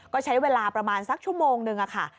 ก็ใช้เวลาประมาณสักชั่วโมงนึงค่ะ